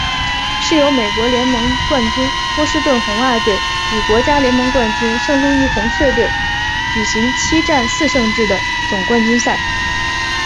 是由美国联盟冠军波士顿红袜队与国家联盟冠军圣路易红雀队举行七战四胜制总冠军赛。